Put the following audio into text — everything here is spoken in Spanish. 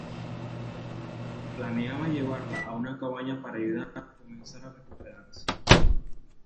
Planeaba llevarla a una cabaña para ayudarla a comenzar a recuperarse.